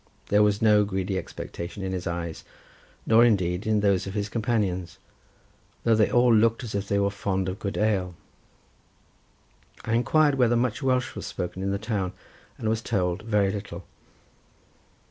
There was no greedy expectation in his eyes, nor, indeed, in those of his companions, though they all looked as if they were fond of good ale. I inquired whether much Welsh was spoken in the town, and was told very little.